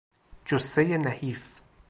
جثهی نحیف